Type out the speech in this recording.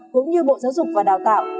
cũng như bộ giáo dục và đào tạo